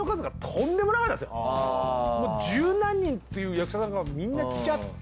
十何人っていう役者さんがみんな来ちゃって。